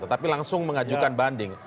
tetapi langsung mengajukan banding